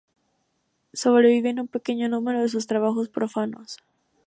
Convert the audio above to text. Sobreviven un pequeño número de sus trabajos profanos.